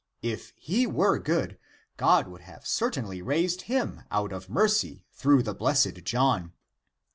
If he were good, God would have certainly raised him out of mercy through the blessed John.